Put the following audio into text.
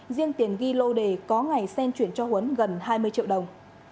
riêng tiền ghi lô đề có ngày xen chuyển cho huấn gần hai mươi triệu đồng